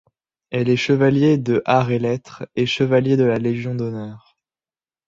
Elle est Chevalier de Arts et Lettres et Chevalier de la Légion d'Honneur.